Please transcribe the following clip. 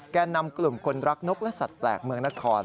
แก่นำกลุ่มคนรักนกและสัตว์แปลกเมืองนคร